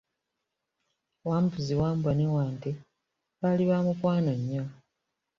Wambuzi, Wambwa ne Wante baali ba mukwano nnyo.